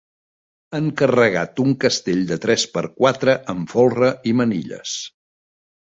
Han carregat un castell de tres per quatre amb folre i manilles.